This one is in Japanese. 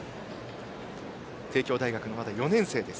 帝京大学の４年生です。